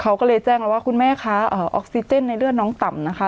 เขาก็เลยแจ้งแล้วว่าคุณแม่คะออกซิเจนในเลือดน้องต่ำนะคะ